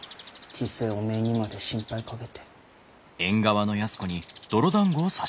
小せえおめえにまで心配かけて。